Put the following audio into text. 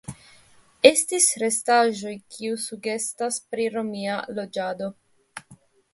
Estis restaĵoj kiuj sugestas pri romia loĝado.